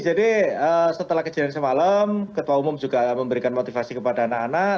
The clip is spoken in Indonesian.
jadi setelah kejadian semalam ketua umum juga memberikan motivasi kepada anak anak